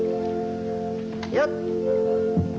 よっ！